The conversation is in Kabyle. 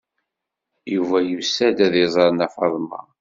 Yuba yusa-d ad iẓer Nna Faḍma.